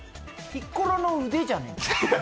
ピッコロの腕じゃねえの？